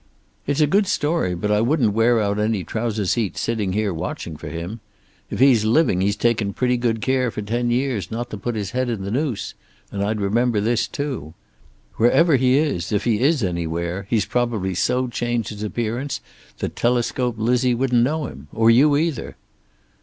"It's a good story, but I wouldn't wear out any trouser seats sitting here watching for him. If he's living he's taken pretty good care for ten years not to put his head in the noose; and I'd remember this, too. Wherever he is, if he is anywhere, he's probably so changed his appearance that Telescope Lizzie wouldn't know him. Or you either."